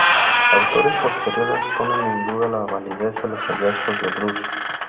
Autores posteriores ponen en duda la validez de los hallazgos de Brush.